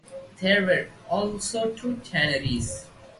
There were also two tanneries.